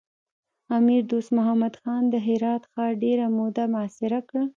امیر دوست محمد خان د هرات ښار ډېره موده محاصره کړ.